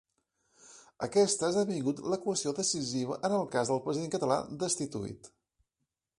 Aquesta ha esdevingut la qüestió decisiva en el cas del president català destituït.